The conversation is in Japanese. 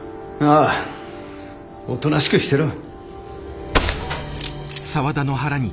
ああおとなしくしてろ。